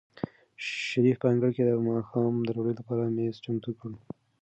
شریف په انګړ کې د ماښام د ډوډۍ لپاره مېز چمتو کړ.